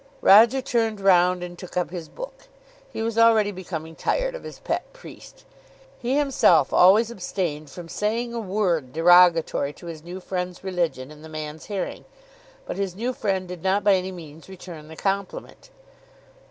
Roger turned round and took up his book. He was already becoming tired of his pet priest. He himself always abstained from saying a word derogatory to his new friend's religion in the man's hearing; but his new friend did not by any means return the compliment.